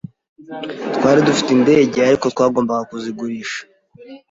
Twari dufite indege, ariko twagombaga kuzigurisha.